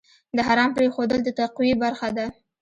د حرام پرېښودل د تقوی برخه ده.